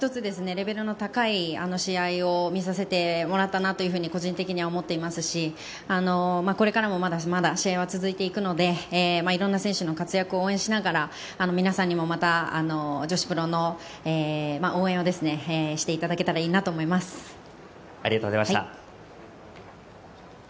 レベルの高い試合を見させてもらったなというふうに個人的には思っていますしこれからもまだまだ試合は続いていくのでいろんな選手の活躍を応援しながら皆さんにも、また女子プロの応援をしていただけたらなとありがとうございました。